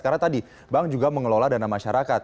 karena tadi bank juga mengelola dana masyarakat